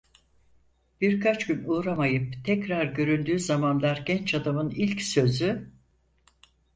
Birkaç gün uğramayıp tekrar göründüğü zamanlar genç adamın ilk sözü: